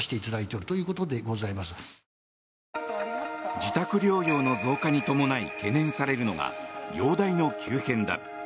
自宅療養の増加に伴い懸念されるのが、容体の急変だ。